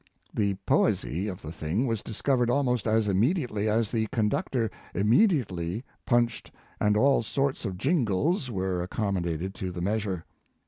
The poesy of the thing was discovered almost as "immediately" as the conduc tor "immediately" punched and all sorts of jingles were accommodated to the measure.